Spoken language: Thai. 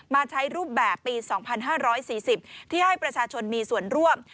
ใช้รูปแบบปี๒๕๔๐ที่ให้ประชาชนมีส่วนร่วม